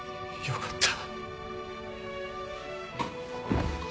よかった。